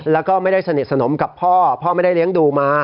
แล้วก็ไม่ได้สนิทสนมกับพ่อพ่อไม่ได้เลี้ยงดูมา